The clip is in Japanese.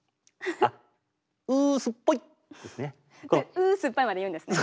「うすっぱい！」まで言うんですね。